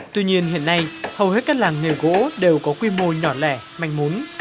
tuy nhiên hiện nay hầu hết các làng nghề gỗ đều có quy mô nhỏ lẻ mạnh mốn